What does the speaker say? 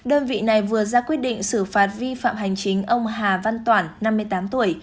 đơn vị này vừa ra quyết định xử phạt vi phạm hành chính ông hà văn toản năm mươi tám tuổi